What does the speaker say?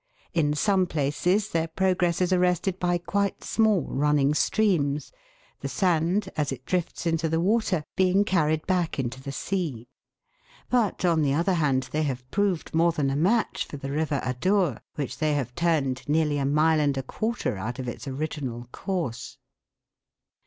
In some places their pro gress is arrested by quite small running streams, the sand, as it drifts into the water, being carried back into the sea ; but, on the other hand, they have proved more than a match for the river Ad our, which they have turned nearly a mile and a quarter out of its original course.